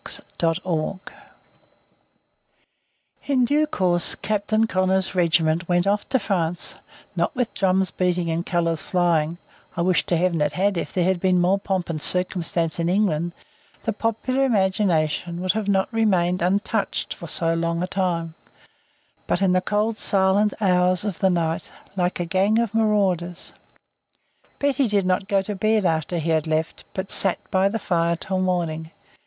CHAPTER V In due course Captain Connor's regiment went off to France; not with drums beating and colours flying I wish to Heaven it had; if there had been more pomp and circumstance in England, the popular imagination would not have remained untouched for so long a time but in the cold silent hours of the night, like a gang of marauders. Betty did not go to bed after he had left, but sat by the fire till morning.